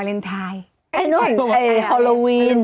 มะนาว